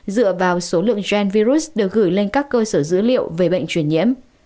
dựa vào số lượng gen virus được gửi lên các cơ sở dữ liệu về bệnh truyền nhiễm